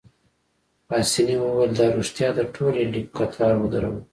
پاسیني وویل: دا ريښتیا ده، ټول يې لیک قطار ودرول.